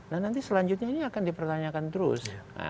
nah nanti selanjutnya ini akan dipertanyakan terus